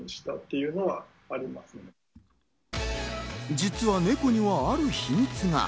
実はネコにはある秘密が。